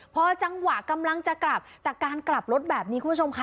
พอจังหวะกำลังจะกลับแต่การกลับรถแบบนี้คุณผู้ชมค่ะ